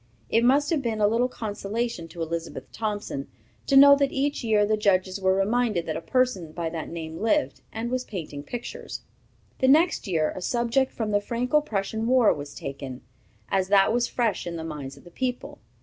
It must have been a little consolation to Elizabeth Thompson, to know that each year the judges were reminded that a person by that name lived, and was painting pictures! The next year a subject from the Franco Prussian War was taken, as that was fresh in the minds of the people.